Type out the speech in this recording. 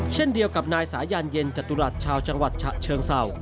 เช่นเดียวกับนายสายันเย็นจตุรัสชาวจังหวัดฉะเชิงเศร้า